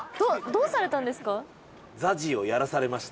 どうされたんですか？